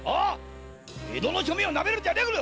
江戸の庶民をなめるんじゃねえっ！